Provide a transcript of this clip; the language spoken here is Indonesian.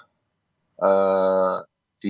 dia bisa memainkan bola